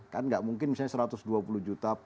kan nggak mungkin misalnya satu ratus dua puluh juta